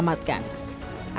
warga terlihat menyelamatkan